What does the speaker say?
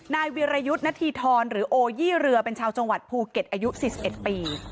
นายวิรยุทธ์ณฑีธรหรือโอยี่เรือเป็นชาวจังหวัดภูเก็ตอายุ๔๑ปี